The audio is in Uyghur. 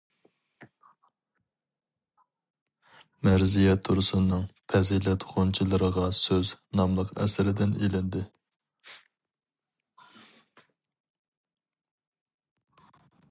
مەرزىيە تۇرسۇننىڭ «پەزىلەت غۇنچىلىرىغا سۆز» ناملىق ئەسىرىدىن ئېلىندى.